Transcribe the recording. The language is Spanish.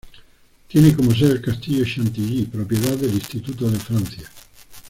Tiene como sede el castillo de Chantilly, propiedad del Instituto de Francia.